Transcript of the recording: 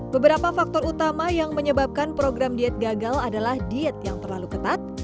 beberapa faktor utama yang menyebabkan program diet gagal adalah diet yang terlalu ketat